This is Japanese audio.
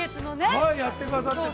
◆はい、やってくださって。